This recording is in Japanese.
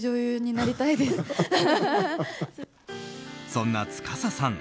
そんな司さん